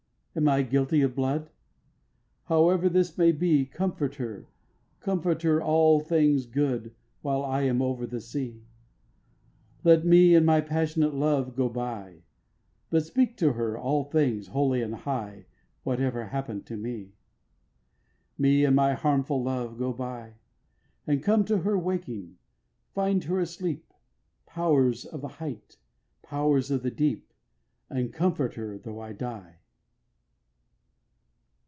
Am I guilty of blood? However this may be, Comfort her, comfort her, all things good, While I am over the sea! Let me and my passionate love go by, But speak to her all things holy and high, Whatever happen to me! Me and my harmful love, go by; But come to her waking, find her asleep, Powers of the height. Powers of the deep, And comfort her tho' I die.